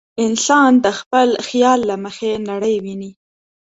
انسان د خپل خیال له مخې نړۍ ویني.